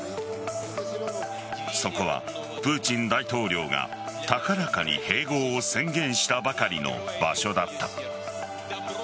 そこはプーチン大統領が高らかに併合を宣言したばかりの場所だった。